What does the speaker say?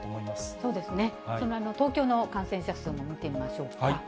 そうですね、東京の感染者数の推移も見てみましょうか。